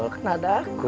rara aku disini